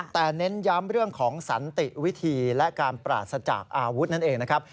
แต่เน้นย้ำเรื่องของสันติวิธีและการปราศจากอาวุธนั่นเองนะครับ